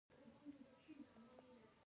په زړه کې مې وپتېیله چې ژبه به یې وڅېړم.